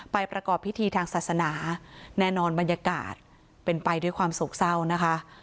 ประกอบพิธีทางศาสนาแน่นอนบรรยากาศเป็นไปด้วยความโศกเศร้านะคะ